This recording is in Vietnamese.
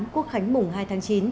quốc khánh mùng hai tháng chín